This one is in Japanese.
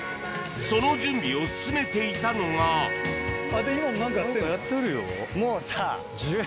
その準備を進めていたのがもうさ。